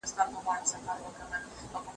تولستوی د خپل قلم په زور د جګړې پر وړاندې ودرېد.